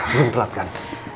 belum telat kan